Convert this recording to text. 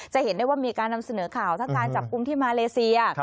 จะเห็นได้ว่ามีการนำเสนอข่าวทั้งการจับกลุ่มที่มาเลเซีย